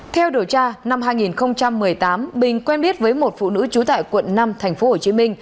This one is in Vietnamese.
theo điều tra năm hai nghìn một mươi tám bình quen biết với một phụ nữ trú tại quận năm tp hcm